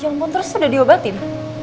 ya ampun terus sudah diobatin